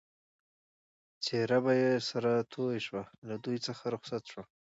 څېره به یې سره توی شوه، له دوی څخه رخصت شوم.